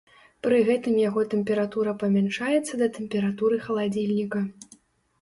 Пры гэтым яго тэмпература памяншаецца да тэмпературы халадзільніка.